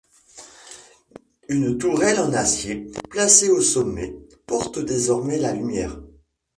Ue tourelle en acier, placée au sommet, porte désormais la lumière.